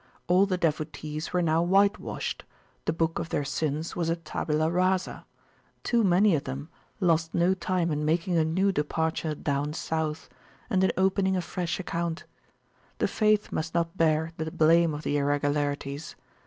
All the devotees were now whitewashedthe book of their sins was a tabula rasa: too many of them lost no time in making a new departure down south, and in opening a fresh account. The faith must not bear the blame of the irregularities.